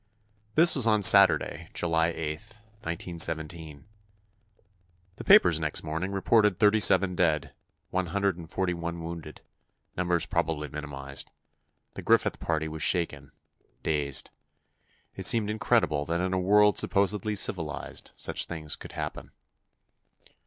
This was on Saturday, July 8, 1917. The papers next morning reported thirty seven dead, one hundred and forty one wounded—numbers probably minimized. The Griffith party was shaken, dazed. It seemed incredible that in a world supposedly civilized such things could happen.